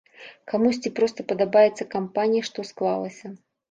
Камусьці проста падабаецца кампанія, што склалася.